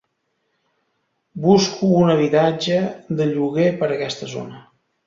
Busco un habitatge de lloguer per aquesta zona.